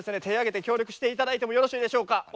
手あげて協力して頂いてもよろしいでしょうか？